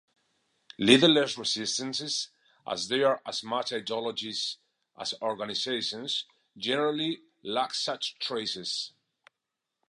Leaderless resistances, as they are as much ideologies as organizations, generally lack such traces.